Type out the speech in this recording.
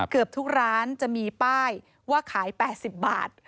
เกือบทุกร้านจะมีป้ายว่าขาย๘๐บาท